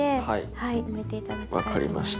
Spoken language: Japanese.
はい分かりました。